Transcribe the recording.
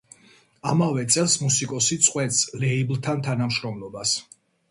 ამავე წელს მუსიკოსი წყვეტს ლეიბლთან თანამშრომლობას.